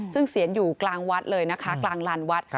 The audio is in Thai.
ซึ่งเสียนอยู่กลางวัดเลยนะคะกลางลานวัด